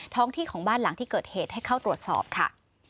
ท้องที่ของบ้านหลังที่เกิดเหตุให้เข้าตรวจสอบค่ะ